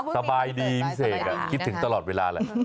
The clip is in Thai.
สบายดีพิเศษคิดถึงตลอดเวลาแล้ว